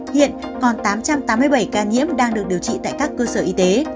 hiện còn tám trăm tám mươi bảy ca nhiễm đang được điều trị tại các cơ sở y tế